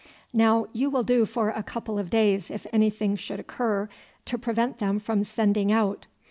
"Now you will do for a couple of days if anything should occur to prevent them from sending out."